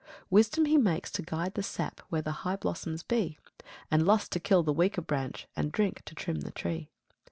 4. Wisdom He makes to guide the sap Where the high blossoms be; And Lust to kill the weaker branch, And Drink to trim the tree.